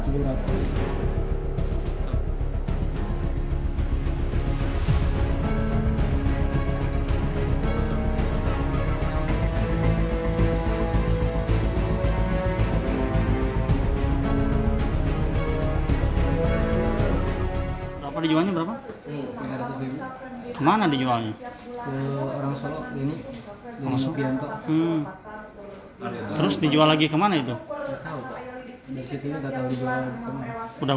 berapa dijualnya berapa kemana dijualnya orang ini terus dijual lagi kemana itu udah